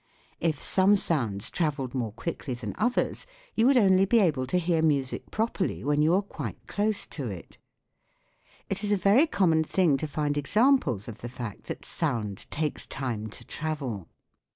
If some sounds travelled more quickly than others you would only be able to hear music properly when you were quite close to it. It is a very common thing to find examples of the fact that sound takes time to travel.